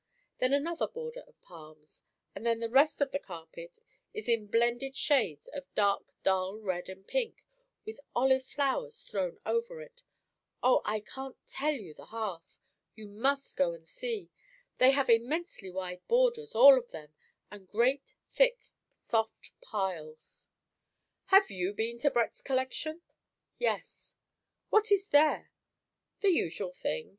Then another border of palms; and then the rest of the carpet is in blended shades of dark dull red and pink, with olive flowers thrown over it. O, I can't tell you the half. You must go and see. They have immensely wide borders, all of them; and great thick, soft piles." "Have you been to Brett's Collection?" "Yes." "What is there?" "The usual thing.